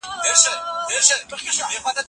که کیفیت وي نو لوست نه بدریږي.